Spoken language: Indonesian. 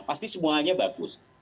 pasti semuanya bagus